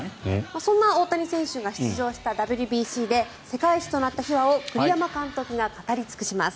そんな大谷選手が出場したＷＢＣで世界一となった秘話を栗山監督が語り尽くします。